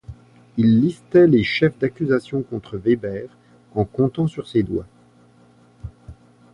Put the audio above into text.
Il listait les chefs d’accusation contre Weber en comptant sur ses doigts.